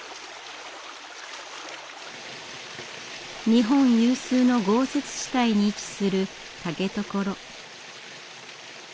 日本有数の豪雪地帯に位置する竹所。